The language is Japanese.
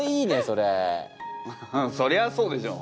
そりゃあそうでしょ。